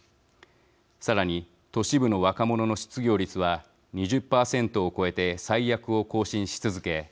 さらに、都市部の若者の失業率は２０％を超えて最悪を更新し続け